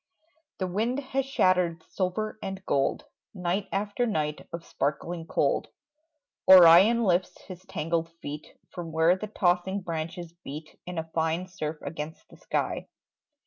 The wind has shattered silver and gold. Night after night of sparkling cold, Orion lifts his tangled feet From where the tossing branches beat In a fine surf against the sky.